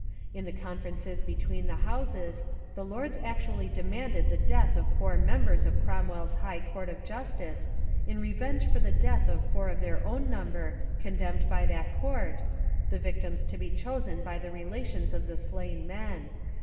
In the conferences between the houses, the Lords actually demanded the death of four members of Cromwell's High Court of Justice in re venge for the death of four of their own num ber condemned by that court, the victims to be chosen by the relations of the slain men.